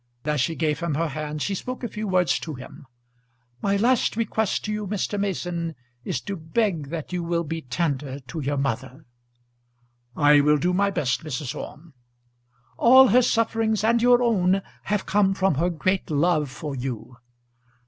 As she gave him her hand, she spoke a few words to him. "My last request to you, Mr. Mason, is to beg that you will be tender to your mother." "I will do my best, Mrs. Orme." "All her sufferings and your own, have come from her great love for you."